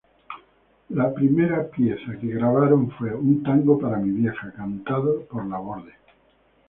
La primer pieza que grabaron fue "Un tango para mi vieja", cantado por Laborde.